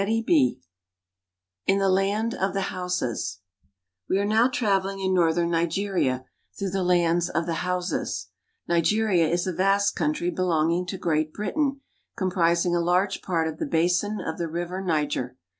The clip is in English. ■^:*:< 26. IN THE LAND OF THE HAUSAS WE are now traveling in northern Nigeria, through the lands of the Hausas (hou'sas). Nigeria is a vast country belonging to Great Britain, comprising a large part of the basin of the river Niger.